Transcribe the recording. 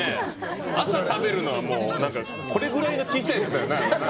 朝食べるのは、もうこれくらいの小さいやつだよな。